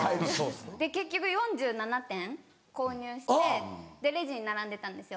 で結局４７点購入してでレジに並んでたんですよ。